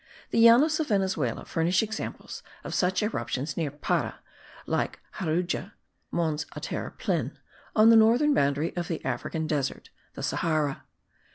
The Llanos of Venezuela furnish examples of such eruptions near Para(?) like Harudje (Mons Ater, Plin.) on the northern boundary of the African desert (the Sahara).